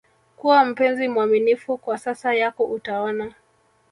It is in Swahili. kuwa mpenzi mwaminifu kwa sasa yako utaona